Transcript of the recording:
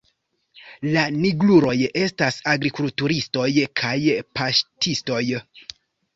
La nigruloj estas agrikulturistoj kaj paŝtistoj.